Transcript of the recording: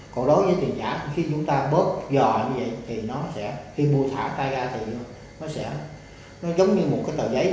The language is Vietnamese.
còn đối với tiền giả khi chúng ta bớt gò như vậy thì nó sẽ khi mua thả tay ra thì nó sẽ giống như một cái tờ giấy